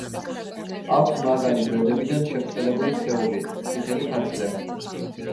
აქვს მაღალი, გვერდებიდან შებრტყელებული სხეული, წითელი ფარფლები.